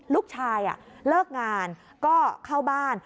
ลูกชายเลิกงานก็เข้าบ้าน